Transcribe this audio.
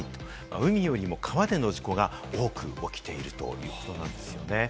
海よりも川での事故が多く起きているということなんですよね。